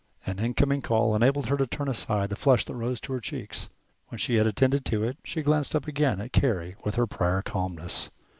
An incoming call enabled her to turn aside the flush that rose to her cheeks. When she had attended to it she glanced up again at Carey with her prior calmness.